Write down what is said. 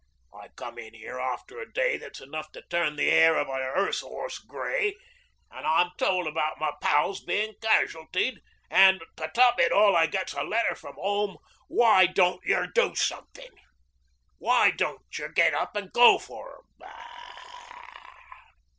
I come in 'ere after a day that's enough to turn the 'air of a 'earse 'orse grey, an' I'm told about my pals bein' casualtied; an' to top it all I gets a letter from 'ome "why don't you do somethin'? Why don't you get up an' go for 'em?"